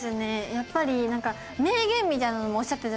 やっぱりなんか名言みたいなのもおっしゃったじゃないですか。